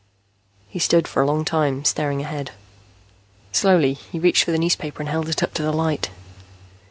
He stood for a long time, staring ahead. Slowly, he reached for the newspaper and held it up to the light.